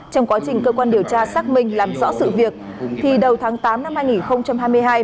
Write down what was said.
trong quá trình cơ quan điều tra xác minh làm rõ sự việc thì đầu tháng tám năm hai nghìn hai mươi hai